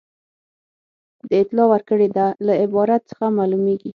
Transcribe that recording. د اطلاع ورکړې ده له عبارت څخه معلومیږي.